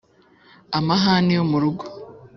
amahane yo mu rugo,